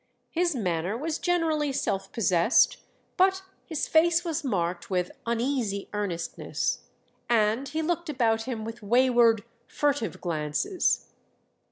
His manner was generally self possessed, but his face was marked with "uneasy earnestness," and he looked about him with wayward, furtive glances.